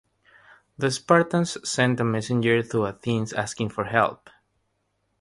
The Spartans sent a messenger to Athens asking for help.